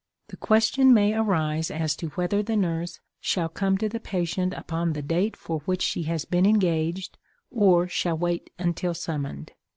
The question may arise as to whether the nurse shall come to the patient upon the date for which she has been engaged or shall wait until summoned.